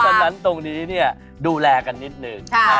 เพราะฉะนั้นตรงนี้เนี่ยดูแลกันนิดนึง